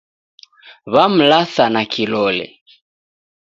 Wamlasa na kilole.